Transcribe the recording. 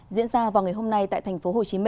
diễn ra vào ngày hôm nay tại tp hcm